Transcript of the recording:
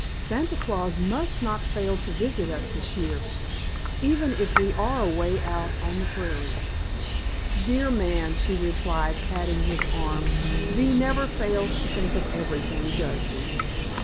Santa Claus must not fail to visit us this year—even if we are away out on the prairies." "Dear man," she replied, patting his arm, "thee never fails to think of everything, does thee?